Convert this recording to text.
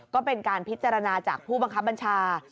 ก็เป็นการพิจารณาจากผู้บังคับบัญชา